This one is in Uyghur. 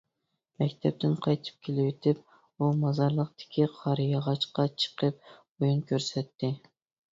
مەكتەپتىن قايتىپ كېلىۋېتىپ، ئۇ مازارلىقتىكى قارىياغاچقا چىقىپ ئويۇن كۆرسەتتى.